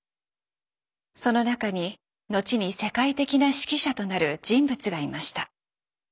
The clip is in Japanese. その中に後に世界的な指揮者となる人物がいました。